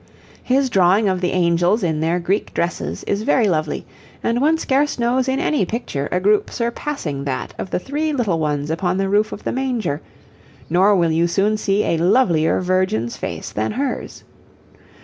His drawing of the angels in their Greek dresses is very lovely, and one scarce knows in any picture a group surpassing that of the three little ones upon the roof of the manger, nor will you soon see a lovelier Virgin's face than hers.